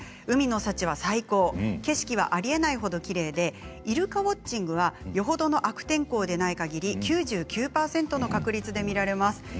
海の幸は最高景色はありえないほどきれいでイルカウォッチングは、よほどの悪天候でないかぎり９９％の確率で見られます。